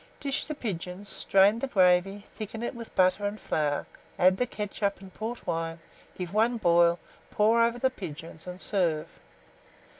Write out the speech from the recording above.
Dish the pigeons, strain the gravy, thicken it with butter and flour, add the ketchup and port wine, give one boil, pour over the pigeons, and serve.